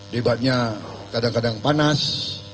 debatnya kadang kadang panas